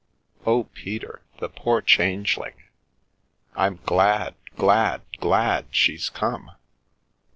Oh, Peter, the poor Changel I'm glad, glad, glad, she's come